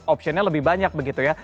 opsinya lebih banyak begitu ya